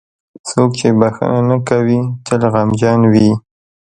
• څوک چې بښنه نه کوي، تل غمجن وي.